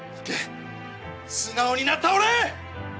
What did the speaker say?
素直になった俺！